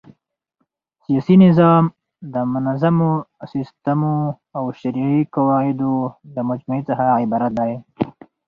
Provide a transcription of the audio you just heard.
سیاسي نظام د منظمو سيسټمو او شرعي قواعدو له مجموعې څخه عبارت دئ.